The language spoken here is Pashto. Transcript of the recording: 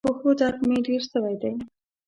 د پښو درد مي ډیر سوی دی.